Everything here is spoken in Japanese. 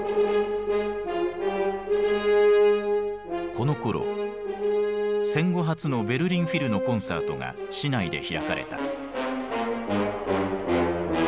このころ戦後初のベルリン・フィルのコンサートが市内で開かれた。